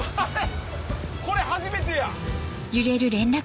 これ初めてや。